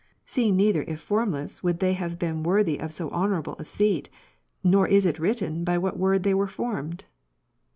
Seeing neither if formless would they have been worthy of so honourable a seat, nor is it w^ritten, by what word they were formed.